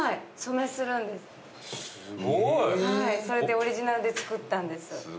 それでオリジナルで作ったんです。